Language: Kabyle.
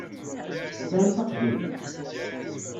Tesɛamt aqjun?